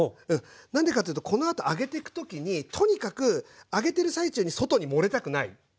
何でかというとこのあと揚げてく時にとにかく揚げてる最中に外に漏れたくない。